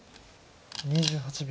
２８秒。